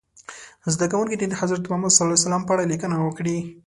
زده کوونکي دې د حضرت محمد ص په اړه لیکنه وکړي.